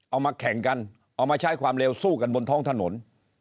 เอามาแข่งกันเอามาใช้ความเร็วสู้กันบนท้องถนน